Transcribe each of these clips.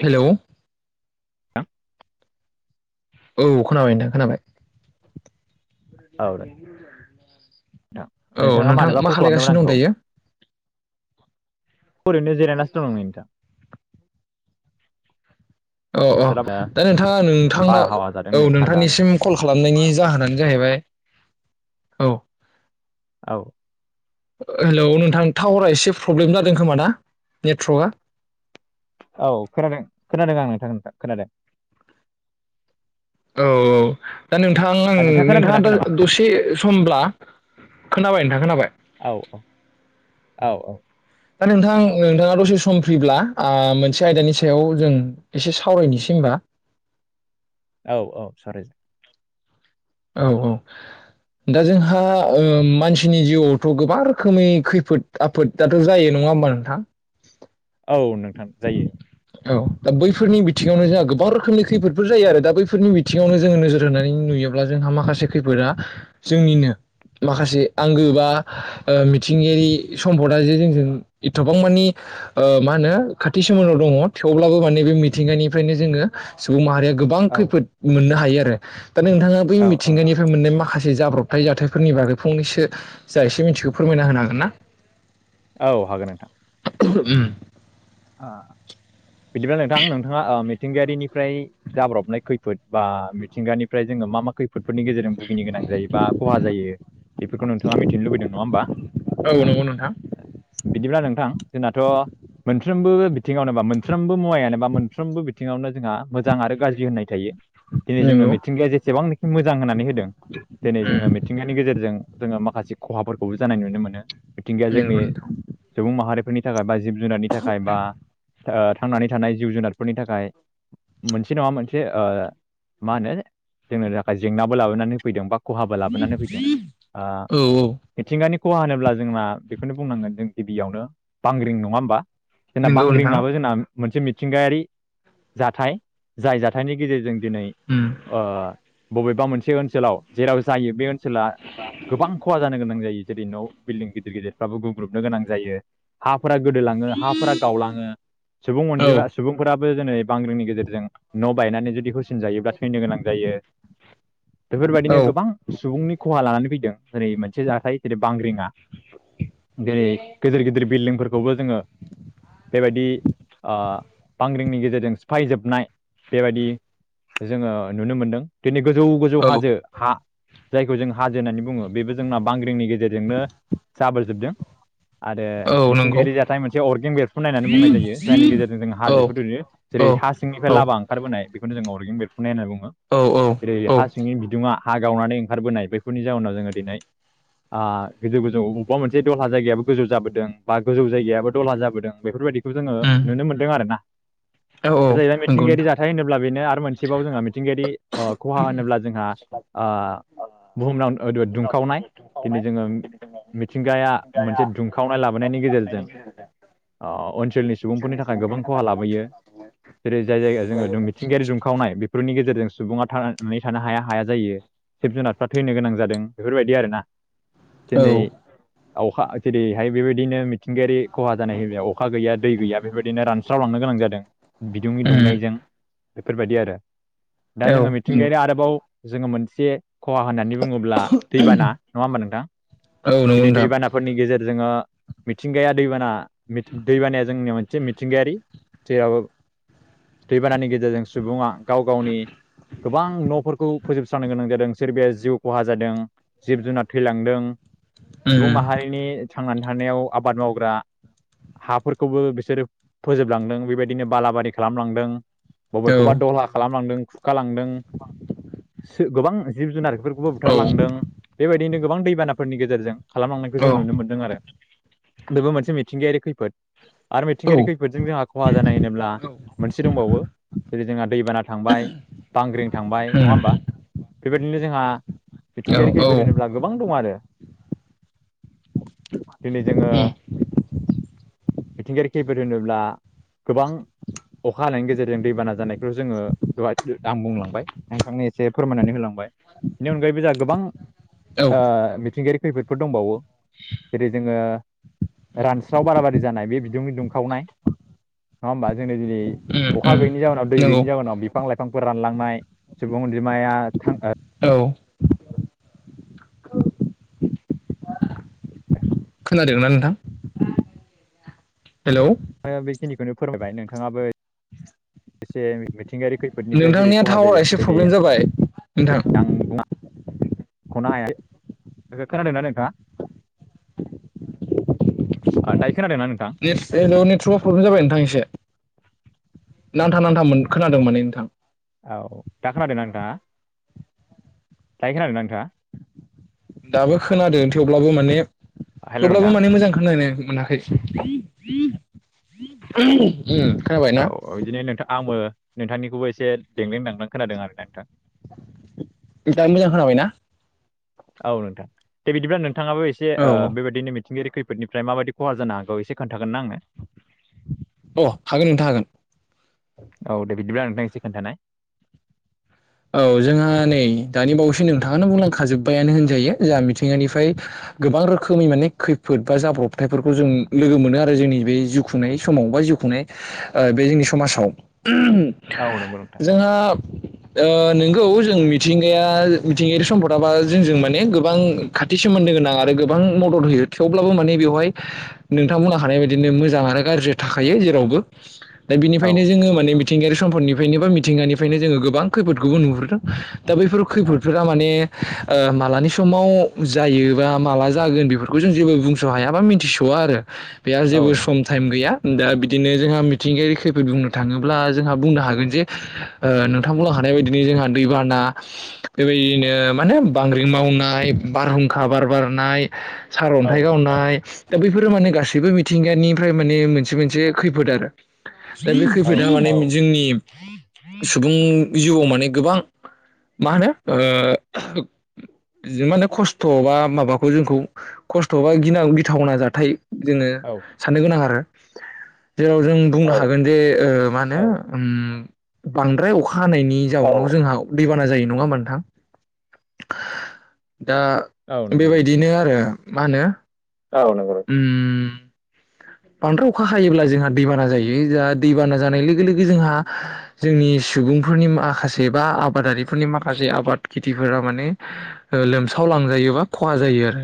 हेल'? [inaudible] औ खोनाबाय नोंथां खोनाबाय। नोंथां औ नोंथाङा नोंथां मानोबा मा कल खालामदोंमोन खालायगासिनो दं आंखौ दायो? अरैनो जेरायनासो दं नै नोंथां। औ औ बोथोरा दा नोंथाङा नोंथांनाव बारहावा जादों औ नै थान्दानो नोंथांनिसिम कल खाल खालामनायनि जाहोनानो जाहैबाय औ। औ। हेलौ नोंथां टावारा एसे फ्रब्लेम जादों खोमा ना नेटवर्कआ? औ खोनादों खोनादों आं नोंथां नोंथां खोनादों। औ औ दा नोंथां आं ओ खोनानो नोंथाङा मोनाखै दा नामा दसे समब्ला औ खोनाबाय नोंथां खोनाबाय। औ औ दा नोंथां नोंथाङा दसे सम फ्रिब्ला मोनसे आयदानि सायाव जों एसे सावरायनोसै होमबा। [inaudible] औ औ सावराय जागोन। औ औ दा जोंहा ओ मानसि सिनि जिउआवथ' गोबां रोखोमै खैफोद आफोदाथ' जायो नङा होमबा नोंथां? औ नोंथां जायो। औ दा बैफोरनि बिथिङावनो जोंहा गोबां रोखोमनि खैफोदफोर जायो आरो दा बैफोरनि बिथिङावनो जों नोज होनानै नुयो नुयोब्ला जोंहा माखासे खैफोदा जोंनिनो माखासे आंगो बा ओ मिथिंगायारि सम्पदा जे जोंजों एथबां मानि ओ मा होनो खाथि सोमोमावन दं थेवब्लाबो माने बे मिथिंगानिफ्रायनो जों सुबुं माहारिया गोबां औ खैफोद मोननो हायो आरो दा नोंथां बै औ औ मिथिंगानिफ्राय मोननाय माखास जाब्रबथाय जाथायफोरनि बागै फंनैसो जा एसे मिथिगौ फोरमायना होनो होगोन ना? औ हागोन नोंथां। [inaudible] अ बिदिब्ला नोंथां नोंथाङा अ मि मिथिंगायारिनिफ्राय जाब्रबनाय खैफोद बा मिथिंगानिफ्राय जों मा मा खैफोदफोरनि गेजेरजों भुगिनो गोनां जायोबा खहा जायो बेफोरखौ नोंथांङा मिथिनो लुबैदों नङा होमबा? औ अह नंगौ नोंथां बिदिब्ला नोंथां जोंनाथ' मोनफ्रो मबो बिथिङावनो बा मोनफ्रोमबो मुवायानो बा मोनफ्रोमबो बिथिङावनो जोंहा मोजां आरो गाज्रि होननाय थायो। दिनै जोंनो नंगौ मिथिंगाया जेसेबांनोखि मोजां होननानै हो दों दोनै जों मिथिंगानि गेजेरजों जोंङो माखासे खहाफोरखौबो जानाय नुनो मोनो। मिथिंगाया जोंनि नंगौ नोंथां सुबुं माहारिफोरनि थाखाय बा जिब जुनारनि थाखाय बा ओ थांनानै थानाय जिब जुनारफोरनि थाखाय मोनसे नङा मोनसे ओ मा होनो जोंनो थाखाय जेंनाबो लाबोनानै होफैदों बा खहाबो लाबोनानै फैदों। ओ औ औ मिथिंगानि खहा होनोब्ला जोंना बेखौनो बुंनांगोन जों गिबियावनो बांग्रिं, नङा होमबा? जोंना नंगौ नोंथां बांग्रिंआबो जोंना मोनसे मिथिंगायारि जाथाय। जाय जाथायनि गेजेरजों दिनै उम ओ बबेबा मोनसे ओनसोलाव जेराव जायो बे ओन सोला गोबां खहा जानो गोनां जायो। जेरै न' बिल्डिं गिदिर गिदिरफ्राबो गुग्रुबनो गोनां जायो। हाफोरा गोदोलाङो हा फोरा गावलाङो। सुबुं औ अनजिमा सुबुंफोरा बोजोनै बांग्रिंनि गेजेरजों न' बायनानै जुदि होसिनजायोब्ला थैनो गोनां जायो। औ बेफोरबायदिनो गोबां सुबुंनि खहा लानानै फैदों ओरै मोनसे जाथाय जेरै बांग्रिङा जेरै गिदिर गिदिर बिल्डिंफोरखौबो जोङो बेबायदि ओ बांग्रिंनि गेजेरजों सिफायजोबनाय बेबायदि जोङो नुनो मोनदों दिनै गोजौ गोजौ औ हाजो हा जायखौ जों हाजो होननानै बुङो बेबो जोंना बांग्रिंनि गेजेरजोंनो जाबोरजोबदों। आरो औ नंगौ मिथिंगायारि जाथाय मोन अर्गेंन बेफ्रुनाय होनायनानै बुंनाय जायो जायनि गेजेरजों जों औ हाजोखोनुयो औ जेरै हा सिंनिफ्राय औ लामा ओंखारबोनाय। बेखौनो जों अरगें बेरफुंनाय होनना बुङो औ जेरै औ हा सिङै बिदुङा। हा गावनानै ओंखारबोनाय बेफोरनि जाउनाव जोङो दिनै। आ गोजौ गोजौ अबेबा मोनसे दहहा जायगायाबो गोजौ जाबोदों बा गोजौ जायगायाबो दहा जाबोदों बेफोरबायदिखौ जोङो नुनो मोन्दों आरो ना। ओ जाहैबाय मिथिंगायारि जाथाय होनोब्ला बेनो आरो मोनसेबाव जोङो मिथिंगायारि खहा होनोब्ला जोंहा। ओ बुहुमनाव ओ दुं दुंखावनाय दिनै जोङो मिथिंगाया मोनसे दुंखावनाय लाबोनायनि गेजेरजों ओ ओनसोलनि सुबुंफोरनि थाखाय गोबां खहा लाबोयो। जेरै जाय जायगायाव जोङो मिथिंगायारि दुंखावनाय बेफोरनि गेजेरजों। सुबुङा थांनानै थानो हाया हाया जायो जिब-जुनारफ्रा थैनो गोनां जादों बेफोरबायदि आरोना। औ दिनै अखा जेरैहाय बेबायदिनो मिथिंगा खहा जानाय अखा गैया दै गैया बेबायदिनो रानस्रावलांनो गोनां जादों बिदुंनि उम दुंनायजों। बेफोरबायदि आरो दा औ जोङो नंगौ मिथिंगायारि आरोबाव जोङो मोनसे। खहा होननानै बुङोब्ला दैबाना नङा होमबा नोंथां औ नंगौ दिनै नोंथां दैबानाफोरनि गेजेर जोङो मिथिंगाया। दैबाना दैबानाया जोंनि मोनसे मिथिंगायारि जेराव। दैबानानि गेजेरजों सुबुङा गाव गावनि गोबां न'फोरखौ फोजोबस्रांनो गोनां जादों सोरबाया जिउ खहा जादों। जिब-जुनार थैलांदों उम सुबुं माहारिनि थांनानै थानायाव आबाद माव फोरा हाफोरखौबो बिसोरो फोजोबलांदों बेबायदिनो बालाबारि खालामलांदों। औ बबेखौबा दहहा खालामलांदों खुखालांदों सो गोबां जिब-जुनार फोरखौबो बुथारलांदों बेबायदिनो गोबां दैबानाफोरनि गेजेरजों। खालामलांनायखौ औ जों उम औ नुनो मोनदों आरो बेबो मोनसे मिथिंगायारि खैफोद। आरो मिथिंगायारि उम खैफोदजों जोंहा खहा जानाय होनोब्ला औ मोनसे दंबावो जेरै जोंहा‌ दैबाना थांबाय बांग्रिं थांबाय नङा होमबा बेबायदिनो जोंहा मिथिंगायारि खैफोद होनोब्ला गोबां दं आरो। दिनै जोङो [inaudible] मिथिंगायारि खैफोद होनोब्ला गोबां। अखा हानायनि गेजेरजों दैबाना जानायखौ जोङो आं बुंलांबाय नोंथांनो एसे फोरमायनानै होलांबाय। बेनि अनगायैबो जोंहा गोबां ओ मिथिंगायारि खैफोदफोर दंबावो जेरै जोङो रानस्राव बालाबारि जानाय बे बिदुंनि दुंखावनाय नङा होमबा जोंनि दिनै उम अखा उम गैयनि जाहोनाव दै नंगौ गैयनि जाहोनाव बिफां-लाइ फांफोर रानलांनाय सुबुं अनजिमाया थां ओ औ [inaudible] खोनादोंना नोंथां हेलौ। ओ बेखिनिखौनो फोरमायबाय नोंथाङाबो एसे मिथिंगायारि खैफोदनिफ्राय जेरै नोंथांनिया खहा टावारा जायो एसे जेरै प्रब्लेम जाबाय नोंथां। खनो हाया खोनादोंना नोंथाङा? आ दाइस ने हेल' नेटवर्कआव प्रब्लेम जाबाय नोंथां एसे नांथा नांथा मोन खोनादों माने नोंथां। औ दा खोनादों नोंथाङा दायो खोनादों नोंथाङा? दाबो खोनादों थेवब्लाबो माने हेल' नोंथां थेवब्लाबो माने मोजां खोनानाय मोनाखै उम खोनाबाय ना औ औ बिदिनो नोंथां आङो नोंथांनिखौबो एसे देंलेंदांलां खोनादों आरोना नोंथां। टा मोजां खोनाबायना? औ नोंथां दे बिदिब्ला नोंथाङाबो एसे औ अ बेबायदिनो मिथि मिथिंगायारि खैफोदनिफ्राय माबायदि खहा जानो हागौ एसे खोन्थागोन ना आंनो। अ हागोन नोंथां हागोन। औ दे बिदिब्ला नोंथां एसे खोन्थानाय। औ जोंहा नै दानि बावैसो नोंथाङानो बुंलांखाजोब्बायानो होनजायो जोंहा मिथिंगानिफ्राय। गोबां रोखोमनि माने खैफोद बा जाब्रबथायफोरखौ जों लोगो मोनो आरो जोंनि बे जिुउखुंनायनि समाव बाय जिउ खुंनाय अ बे जोंनि समाजाव औ नंगौ नोंथां जोंहा। अ नोंगौ जों मिथिंगाया मिथिंगायारि सम्पदाबा जोंजों माने गोबां खाथि सोमोनदो। गोनां आरो गोबां मदद होयो थेवब्लाबो माने बेवहाय नोंथां बुंनो हानाय बाददिनो मोजां आरो गाज्रि थाख खायो जेरावबो दा औ बिनिफ्रायनो जोङो औ माने मिथिंगायारि सम्पदनिफ्रायनो बा मिथिंगानिफ्रायनो जोङो गोबां खैफोदखौबो नुहुरदों। दा बैफोर औ खैफोदफोरा माने अ मालानि समाव जायो बा माला जागोन बेफोरखौ जों जेबो बुंस' हाया बा मिथिस'वा आरो बेहा औ जेबो नंगौ सम नोंथां टाइम गैया। दा बिदिनो जोंहा मिथिंगायारि खैफोद बुंनो थाङोब्ला जोंहा बुंनो हागोन जे अ नोंथांमोल आं नाय बदि जोंहा दैबाना बेबायदिनो माने बांग्रिं मावनाय बारहुंखा बार बारनाय औ सारअन्थाइ गावनाय। दा बैफोरो माने गासैबो मिथिंगानिफ्राय माने मोनसे मोनसे खैफोद आरो। दा बे औ खैफोदा माने जोंनि सुबुं जिउआव माने गोबां। मा होनो अ जे माने खस्थ'बा माबाखौ जोंखौ खस्थ'बा गिन गिथावना जाथाय। जोङो औ साननो गोनां आरो जेराव जों बुंनो हागोन जे ओ मा होनो औ ओम बांद्राय अखा हानायनि जाहोनाव जोंहा दैबाना जायो नङा होमबा नोंथां? दा औ औ नंगौ नोंथां बेबायदिनो आरो मा होनो औ नंगौ ओम बांद्राय अखा हायोब्ला जोंहा दैबाना जायो जा दैबाना जानाय लोगो लोगो जोंहा जोंनि सि सुबुंफोरनि माखासे बा आबादारिफोरनि माखासे आबाद खेथिफोरा माने लोमसाव फांजायोबा खहा जायो आरो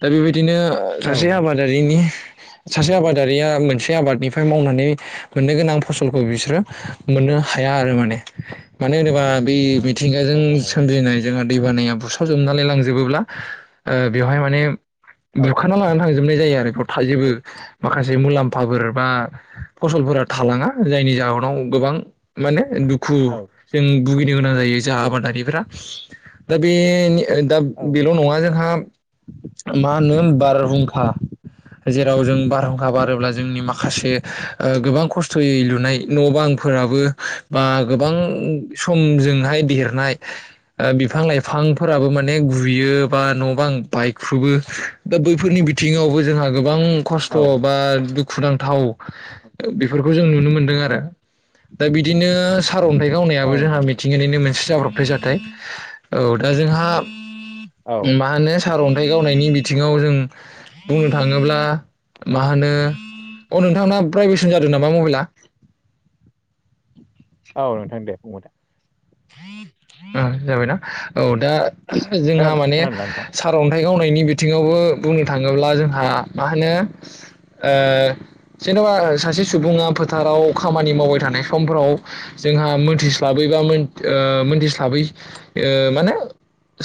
दा बेबायदिनो सासे औ नोंथां आबादारिनि सासे आबादारिया मोनसे आबादनिफ्राय मावनानै मोननो गोनां फसलखौ बिसोरो मोननो हाया आरो मान मानो होनोबा बे मिथिंगाजों औ हाया सोमजिनाय जोंहा दैबानायया बुस्रावजोबनानै लांजोबोब्ला अ बेवहाय माने औ बुखाना लानानै थांजोबनाय जायो आरो गथ' थायजेबो माखासे मुलाम्फाफोर बा फसलफोरा थालाङा जायनि जाहोनाव गोबां माने दुखु औ जों भुगिनो गोनां जायो जा आबादारिफोरा दा बे दा औ बेल' नंगौ नङा जोंहा मा होनो बारहुंखा जेराव जों बारहुंखा बारोब्ला जोंनि माखासे अ गोबां खस्थ'यै लुनाय न' बांफोर फोराबो बा गोबां समजोंहाय देरनाय बिफां लाइफां फोराबो माने गुयो बा न' बां बायख्रुबो दा बैफोरनि बिथिङावबो जोंहा गोबां खस्थ' औ बा दुखु दुखुुनांथाव बेफोरखौ जों नुनो मोनदों आरो दा बिदिनो। सार'न्थाइ गावनायाबो औ जोंहा नंगौ मिथिंगानिनो मोनसे जाब्रबथाय जाथाय औ दा जोंहा ओम औ मा होनो सारअन्थाइ गावनायनि बिथिङाव जों बुंनो थाङोब्ला मा होनो अ नोंथांना भाइब्रेस'न जादों नामा मबाइला? औ नोंथां दे बुंबाय दा। ओम जाबायना औ दा जोंहा खोनादों माने खोनादोंना नोंथां? सारअन्थाइ गावनायनि बि बिथिङावबो बुंनो थाङोब्ला जोंहा मा होनो ओ जेन'बा सासे से सुबुङा फोथाराव खामानि मावबाय थानाय समफोराव जोंहा मोनथिस्लाबै बा मोन ओ मोनथि थाबै ओ माने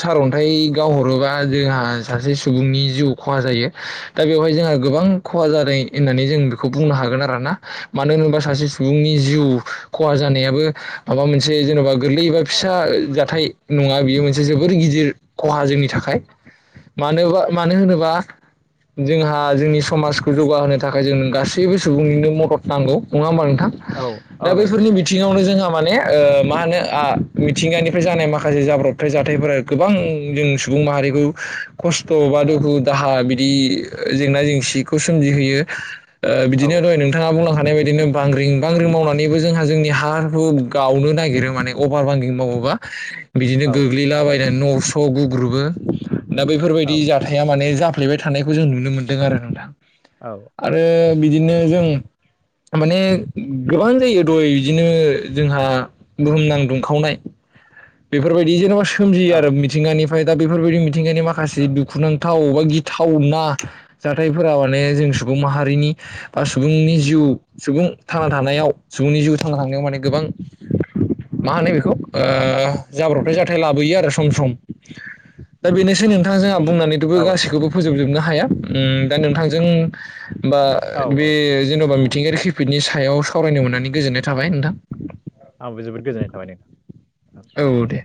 सारन्थाइ गावहरोबा जोंहा सासे सुबुंनि जिउ खहा जायो दा बेवहाय जोंहा गोबां खहा जादों होननानै जों बेखौ बुंनो हागोन आरोना मानो होनोबा सासे सुबुंनि जिउ खहा जानायाबो माबा मोनसे जेनबा गोरलै एबा फिसा जाथाय नङा बेयो मोनसे जोबोर गिदिर खहा जोंनि थाखाय। मानोबा मानो होनोबा जोंहा जोंनि समाजखौ जौगाहोनो थाखाय जों गासैबो सुबुंनिनो मदद नांगौ नङा होमबा नोंथां? औ थां दा औ नंगौ बैफोरनि नोंथां बिथिङावनो जोंहा माने ओ मा होनो आ मिथिंगानिफ्राय जानाय माखासे जाब्रबथाय जाथायफोरा गोबां जों सुबुं माहारिखौ खस्थ' बा दुखु-दाहा बिदि जेंना-जेंसिखौ सोमजिहोयो। ओ औ बिदिनो दहाय नोंथाङा बुंलांखा माने बेदिनो बांग्रिं बांग्रिं मावनानैबो जोंहा जोंनि हा हु गावनो नागिरो माने अभार बांग्रि मावोबा बिदिनो औ गोग्लैलाबायनानै न'स' गुग्रुबो। दा बैफोरबायदि जाथाया माने जाफ्लेबाय थानायखौ जों नुनो मोनदों आरो नोंथां औ आरो बिदिनो जों माने गोबां जायो दहय इदिनो जोंहा बुहुमनां दुं खावनाय बेफोरबायदि जेनबा सोमजियो औ आरो मिथिंगानिफ्राय दा बेफोरबायदि मिथिंगानि माखासे दुखुनांथाव बा गिथावना जाथायफोरा माने जों स सुबुं माहारिनि बा सुबुंनि जिउ सुबुं थांना थानायाव सुबुंनि जिउ थांना थानायाव माने गोबां [unintelligible] मा होनो बेखौ ओ जाब्रबथाय जाथाय लाबोयो आरो सम सम। दा बेनोसै नोंथांजोंहा बुंनानैथ'बो औ नंगौ गासैखौबो नोंथां फोजोबजोबनो हाया ओम दा नोंथांजों होमबा औ बे औ जेन'बा मिथिंगायारि खैफोदनि सायाव सावरायनो मोननानै गोजोननाय थाबाय नोंथां। आंबो जोबोद गोजोननाय थाबाय नों औ दे।